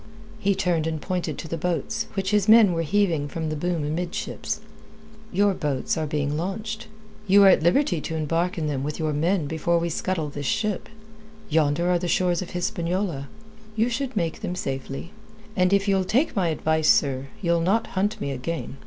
He turned and pointed to the boats, which his men were heaving from the boom amidships. "Your boats are being launched. You are at liberty to embark in them with your men before we scuttle this ship. Yonder are the shores of Hispaniola. You should make them safely. And if you'll take my advice, sir, you'll not hunt me again.